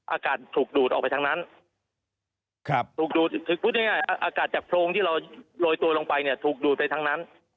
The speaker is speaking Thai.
อากาศถูกดูดออกไปทางนั้นถูกดูดคือพูดง่ายอากาศจากโพรงที่เราโรยตัวลงไปเนี่ยถูกดูดไปทั้งนั้น